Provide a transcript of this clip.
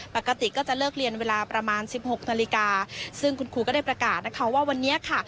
ปกติก็จะเลิกเรียนเวลาประมาณสิบหกนาฬิกาซึ่งคุณครูก็ได้ประกาศนะคะว่าวันนี้ค่ะ